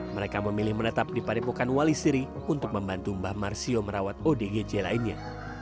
mereka memilih menetap di padepokan wali siri untuk membantu mbah marsio merawat odgj lainnya